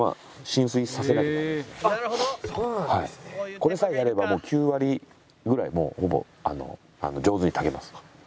これさえやれば９割ぐらいもうほぼ上手に炊けます。